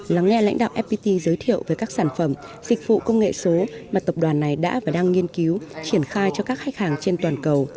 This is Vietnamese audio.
lắng nghe lãnh đạo fpt giới thiệu về các sản phẩm dịch vụ công nghệ số mà tập đoàn này đã và đang nghiên cứu triển khai cho các khách hàng trên toàn cầu